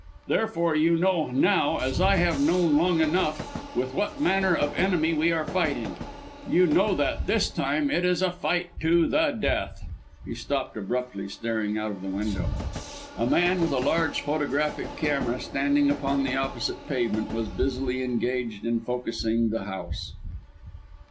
therefore you know now, as I have known long enough, with what manner of enemy we are fighting. You know that, this time, it is a fight to the death " He stopped abruptly, staring out of the window. A man with a large photographic camera, standing upon the opposite pavement, was busily engaged in focussing the house!